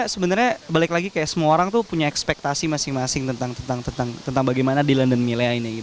sebenarnya balik lagi kayak semua orang tuh punya ekspektasi masing masing tentang bagaimana dilan dan milea ini